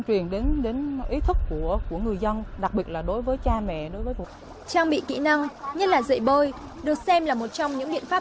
trang bị kỹ năng như là dậy bơi được xem là một trong những điện pháp